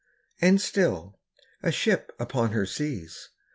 And still, a ship upon her seas.